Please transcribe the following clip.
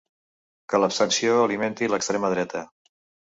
Que l’abstenció alimenti l’extrema dreta.